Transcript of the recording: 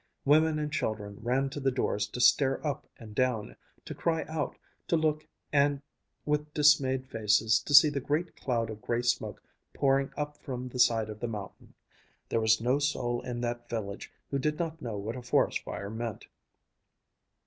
Women and children ran to the doors to stare up and down, to cry out, to look and with dismayed faces to see the great cloud of gray smoke pouring up from the side of the mountain. There was no soul in that village who did not know what a forest fire meant.